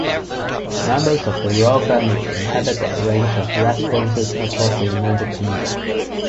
Members of the Royal Family inhabit their range of residences across the United Kingdom.